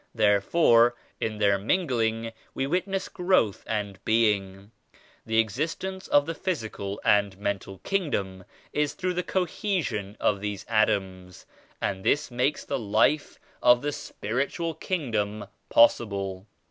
Therefore in their mingling we witness growth and being. The existence of the physical and mental Kingdom is through the co hesion of these atoms and this makes the Life of die Spiritual Kingdom possible.